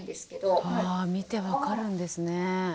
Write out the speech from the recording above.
あ見て分かるんですね。